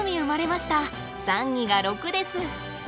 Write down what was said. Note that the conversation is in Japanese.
３×２が６です。